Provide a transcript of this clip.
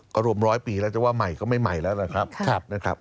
ก็รวมร้อยปีแล้วแต่ว่าใหม่ก็ไม่ใหม่แล้วนะครับ